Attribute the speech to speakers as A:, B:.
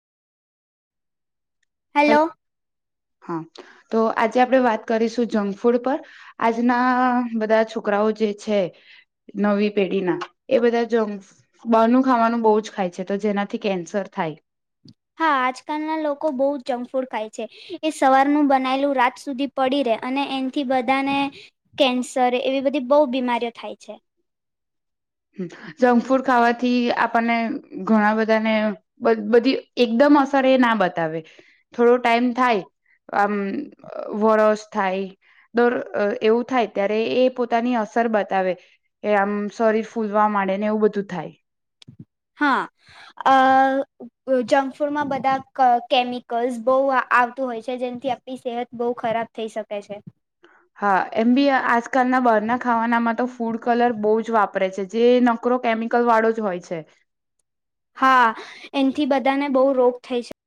A: Hello.
B: Hello હા તો આજે આપણે વાત કરીશું જંક ફૂડ પર આજના બધા છોકરાઓ જે છે નવી પેઢીના એ બધા જંક બનું ખાવાનું બહુ જ ખાય છે તો જેનાથી કેન્સર થાય.
A: હા આજકાલના લોકો બહુ જંક ફૂડ ખાય છે એ સવારનું બનાયલું રાત સુધી પડી રે અને એથી બધાને કેન્સર એવી બધી બહુ બીમારીઓ થાય છે.
B: જંક ફૂડ ખાવાથી આપણને ઘણા બધાને બધી એકદમ અસર એ ના બતાવે થોડો ટાઈમ થાય આમ વરસ થાય દોર એવું થાય ત્યારે એ પોતાની અસર બતાવે એ આમ સોરીફ ફૂલવા માડે ને એવું બધું થાય.
A: હા, અ જંક ફૂડમાં બધા કેમિકલ્સ બહુ આવતું હોય છે જેનાથી આપણી સેહત બહુ ખરાબ થઈ શકે છે.
B: હા એમ બી આજકાલના બહારના ખાવાનામાં તો ફૂડ કલર બહુ જ વાપરે છે. જે નકરો કેમિકલ વાળો જ હોય છે.
A: હા એનથી બધાને બવ રોગ થાય છ